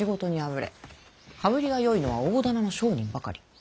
羽振りがよいのは大店の商人ばかり。